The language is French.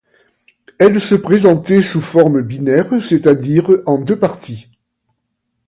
Elles se présentaient sous forme binaire, c'est-à-dire en deux parties.